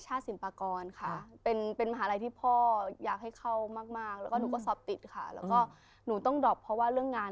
ชาดสินปากรค่ะเป็นเป็นมหาไรที่พ่ออยากให้เข้ามากแล้วมันวัสดิ์ค่ะล่ะก็หนูต้องดอกเพราะว่าเรื่องงาน